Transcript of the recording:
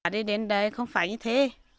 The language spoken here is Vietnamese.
đi đến đây không phải như thế